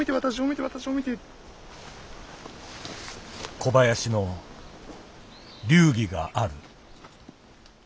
小林の流儀がある。